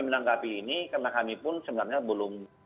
menanggapi ini karena kami pun sebenarnya belum